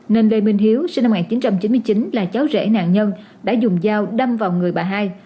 nên lê minh hiếu sinh năm một nghìn chín trăm chín mươi chín là cháu rễ nạn nhân đã dùng dao đâm vào người bà hai